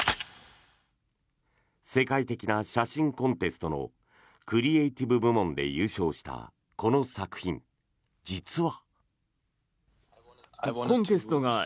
世界的な写真コンテストのクリエーティブ部門で優勝したこの作品、実は。